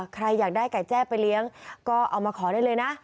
ใครอยากได้ไก่แจ้ไปเลี้ยงก็เอามาขอได้เลยนะ